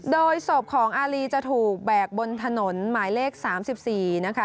โดยศพของอารีจะถูกแบกบนถนนหมายเลข๓๔นะคะ